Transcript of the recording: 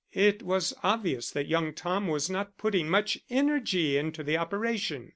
It was obvious that young Tom was not putting much energy into the operation.